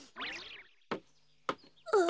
あ。